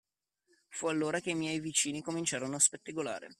Fu allora che i miei vicini cominciarono a spettegolare.